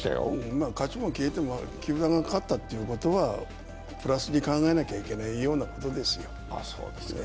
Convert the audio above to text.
まぁ、勝ちも消えても球団が勝ったということはプラスに考えなきゃいけないようなことですよ。